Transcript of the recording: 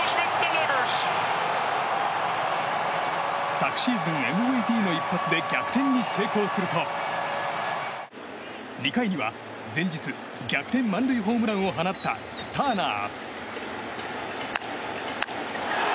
昨シーズンＭＶＰの一発で逆転に成功すると２回には前日、満塁ホームランを放ったターナー。